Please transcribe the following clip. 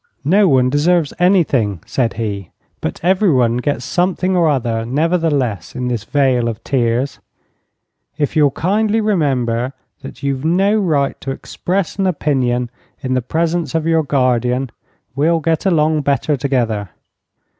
"No one deserves anything," said he; "but everyone gets something or other, nevertheless, in this vale of tears. If you'll kindly remember that you've no right to express an opinion in the presence of your guardian, we'll get along better together.